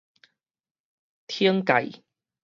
懲戒